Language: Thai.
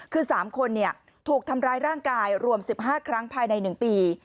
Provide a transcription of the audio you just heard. คือ๓คนถูกทำร้ายร่างกายรวม๑๕ครั้งภายใน๑ปี